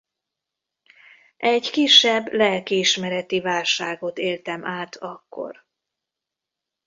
Egy kisebb lelkiismereti válságot éltem át akkor.